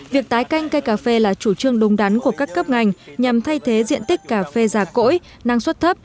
việc tái canh cây cà phê là chủ trương đúng đắn của các cấp ngành nhằm thay thế diện tích cà phê già cỗi năng suất thấp